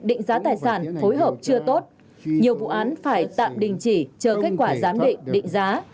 định giá tài sản phối hợp chưa tốt nhiều vụ án phải tạm đình chỉ chờ kết quả giám định định giá